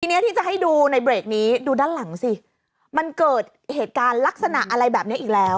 ทีนี้ที่จะให้ดูในเบรกนี้ดูด้านหลังสิมันเกิดเหตุการณ์ลักษณะอะไรแบบนี้อีกแล้ว